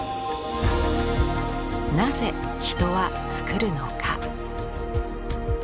なぜ人は作るのか？